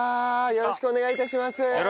よろしくお願いします。